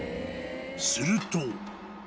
［すると］